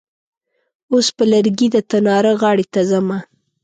اوس په لرګي د تناره غاړې ته ځمه.